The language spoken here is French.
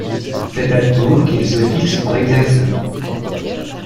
C'est à Tours qu'il se fixe pour exercer.